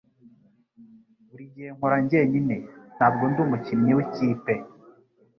Buri gihe nkora njyenyine. Ntabwo ndi umukinnyi w'ikipe.